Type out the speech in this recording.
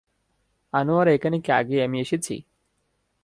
আনোয়ার এখানে কি আমি আগে এসেছি?